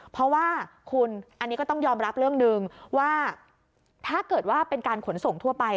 เพราะว่าคุณอันนี้ก็ต้องยอมรับเรื่องหนึ่งว่าถ้าเกิดว่าเป็นการขนส่งทั่วไป